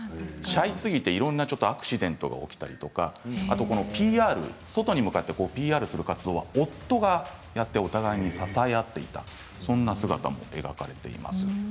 シャイすぎて、いろんなアクシデントが起きたりとか外に向かってＰＲする活動は夫がやってお互い支え合っていたそんな姿も描かれています。